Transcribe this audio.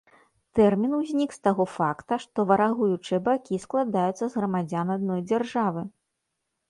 Тэрмін ўзнік з таго факта, што варагуючыя бакі складаюцца з грамадзян адной дзяржавы.